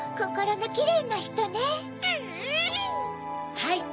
はい！